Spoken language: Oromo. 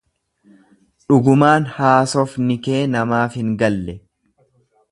Dhugumaan haasofni kee naaf hin galle.